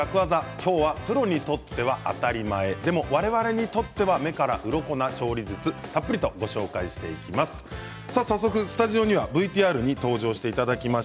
今日はプロにとって当たり前でも我々にとっては目からうろこな調理術たっぷりとご紹介していきます。